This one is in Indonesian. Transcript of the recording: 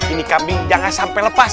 ini kambing jangan sampai lepas